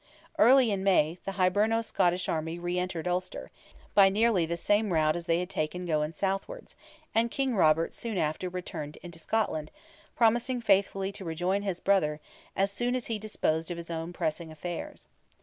Early in May, the Hiberno Scottish army re entered Ulster, by nearly the same route as they had taken going southwards, and King Robert soon after returned into Scotland, promising faithfully to rejoin his brother, as soon as he disposed of his own pressing affairs.